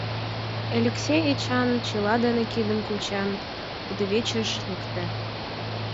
Элексей Эчан, чыла дене кидым кучен, кудывечыш лекте.